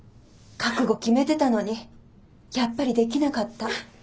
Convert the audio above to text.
覚悟決めてたのにやっぱりできなかった。